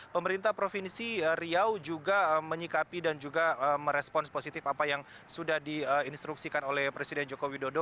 pemerintah provinsi riau juga menyikapi dan juga merespons positif apa yang sudah diinstruksikan oleh presiden joko widodo